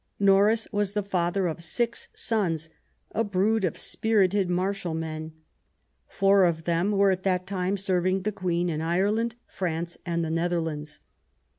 Norris was the father of six sons, " a brood of spirited, martial men ". Four of them were at that time serving the Queen in Ireland, France • THE NEW ENGLAND, 257 and the Netherlands.